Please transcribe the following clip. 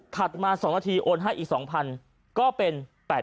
มา๒นาทีโอนให้อีก๒๐๐ก็เป็น๘๐๐